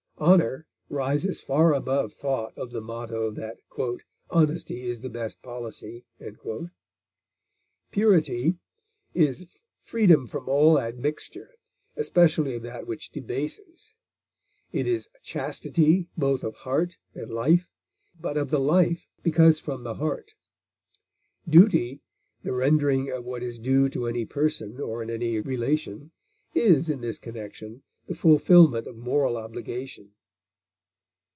Honor rises far above thought of the motto that "honesty is the best policy." Purity is freedom from all admixture, especially of that which debases; it is chastity both of heart and life, but of the life because from the heart. Duty, the rendering of what is due to any person or in any relation, is, in this connection, the fulfilment of moral obligation.